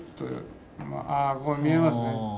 ああここに見えますね。